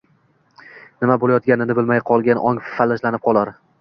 nima bo‘layotganini bilmay qolgan ong falajlanib qolar